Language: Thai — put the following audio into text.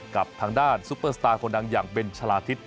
กับทางด้านซุปเปอร์สตาร์คนดังอย่างเบนชะลาทิศ